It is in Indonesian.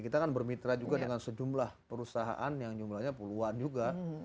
kita kan bermitra juga dengan sejumlah perusahaan yang jumlahnya puluhan juga